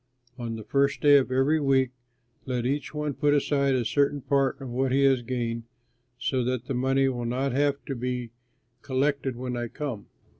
On the first day of every week let each one put aside a certain part of what he has gained, so that the money will not have to be collected when I come.